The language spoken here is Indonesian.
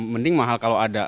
mending mahal kalau ada